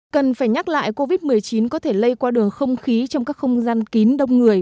cần phải nhắc lại covid một mươi chín có thể lây qua đường không khí trong các không gian kín đông người